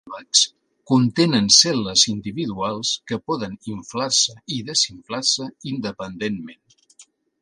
Els airbags contenen cel·les individuals que poden inflar-se i desinflar-se independentment.